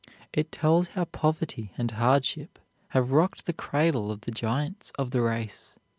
It tells how poverty and hardship have rocked the cradle of the giants of the race.